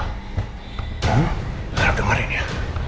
harap dengerin ya